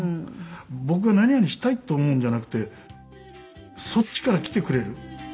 僕何々したいって思うんじゃなくてそっちから来てくれる。